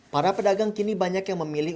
para pedagang kini banyak yang memilih